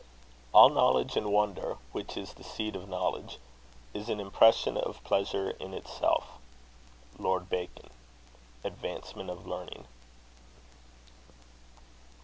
All knowledge and wonder (which is the seed of knowledge) is an impression of pleasure in itself. LORD BACON. Advancement of Learning.